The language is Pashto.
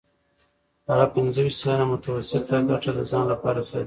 هغه پنځه ویشت سلنه متوسطه ګټه د ځان لپاره ساتي